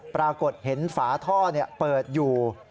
ปรากฏเห็นฝาท่อเปิดอยู่